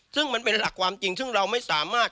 ซึ่งมันเป็นหลักความจริงซึ่งเราไม่สามารถ